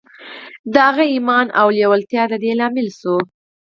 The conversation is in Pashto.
د هغه ايمان او لېوالتیا د دې لامل شول.